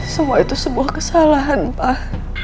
semua itu sebuah kesalahan pak